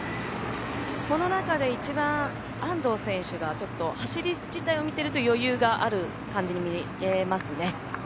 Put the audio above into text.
この中で一番安藤選手が走り自体を見てると余裕がある感じに見えますね。